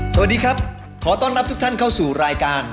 สวัสดีครับขอต้อนรับทุกท่านเข้าสู่รายการ